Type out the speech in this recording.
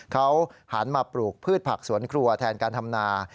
เขาหันมาปลูกพืชผักสวนครัวแทนการทำนา